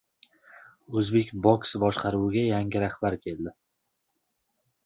O‘zbek boksi boshqaruviga yangi rahbar keldi